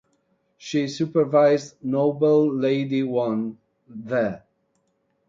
She supervised Noble Lady Wan there.